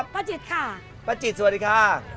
ป่าจิตค่ะ